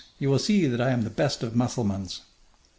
_ you will see that I am the best of Mussulmans!"